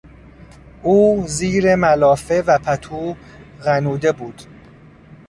او زیر ملافه و پتو غنوده بود.